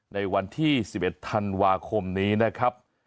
ในวันที่๑๑ธันวาคมนี้นะครับ